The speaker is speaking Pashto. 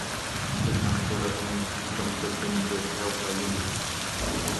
د کانکور ازموینې سیستم تل د نیمګړتیاوو خالي نه و.